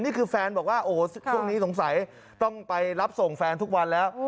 นี่คือแฟนบอกว่าโอ้โหช่วงนี้สงสัยต้องไปรับส่งแฟนทุกวันแล้ว